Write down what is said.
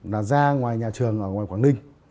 là ra ngoài nhà trường ở ngoài quảng ninh